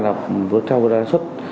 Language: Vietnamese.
là vừa theo đài xuất